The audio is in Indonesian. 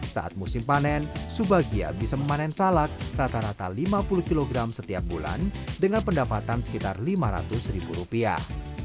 saat musim panen subagia bisa memanen salak rata rata lima puluh kg setiap bulan dengan pendapatan sekitar lima ratus ribu rupiah